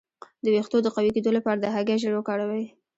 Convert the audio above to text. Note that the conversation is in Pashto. د ویښتو د قوي کیدو لپاره د هګۍ ژیړ وکاروئ